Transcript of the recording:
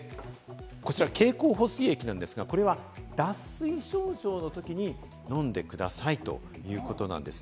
経口補水液なんですが、これは脱水症状のときに飲んでくださいということです。